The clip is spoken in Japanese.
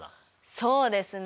そうですね！